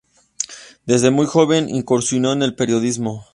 Desde muy joven incursionó en el periodismo.